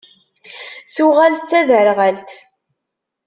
Tuɣal d taderɣalt.